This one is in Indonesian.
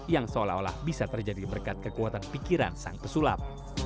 yang seolah olah bisa terjadi berkat kekuatan pikiran sang pesulap